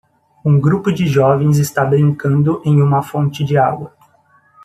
Um grupo de jovens está brincando em uma fonte de água.